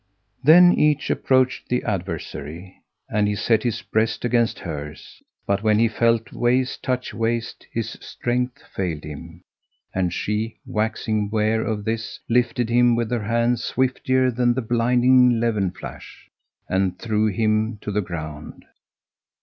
Then each approached the adversary and he set his breast against hers, but when he felt waist touch waist, his strength failed him; and she, waxing ware of this, lifted him with her hands swiftlier than the blinding leven flash, and threw him to the ground.